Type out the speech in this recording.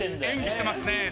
演技してますね。